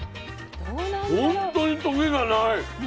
本当にトゲがない。